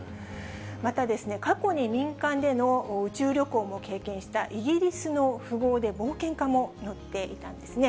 またですね、過去に民間での宇宙旅行を経験したイギリスの富豪で冒険家も乗っていたんですね。